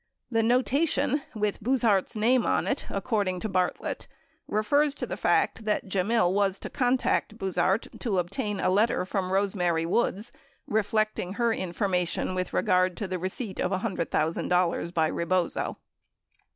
The notation, with Buzhardt's name on it, according to Bartlett, refers to the fact that Gemmill was to contact Buzhardt to obtain a letter from Rose Mary Woods, reflecting her information with regard to the receipt of $100,000 by Rebozo.